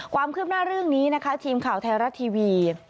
ความคืบหน้าเรื่องนี้นะคะทีมข่าวไทยรัฐทีวี